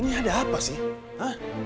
ini ada apa sih